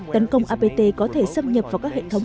tấn công apt có thể xâm nhập vào các hệ thống